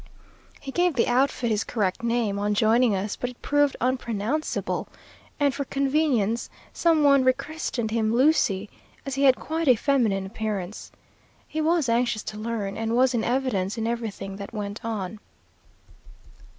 He gave the outfit his correct name, on joining us, but it proved unpronounceable, and for convenience some one rechristened him Lucy, as he had quite a feminine appearance. He was anxious to learn, and was in evidence in everything that went on.